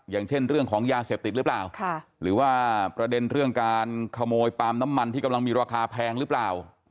อย่างเช่นเรื่องของยาเสพติดหรือเปล่าหรือว่าประเด็นเรื่องการขโมยปาล์มน้ำมันที่กำลังมีราคาแพงหรือเปล่า